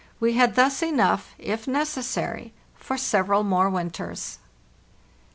We had thus enough, if necessary, for several more winters.